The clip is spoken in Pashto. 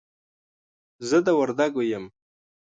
زه د وردګو يم.